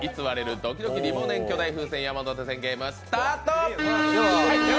ドキドキリモネン巨大風船山手線ゲーム」スタート！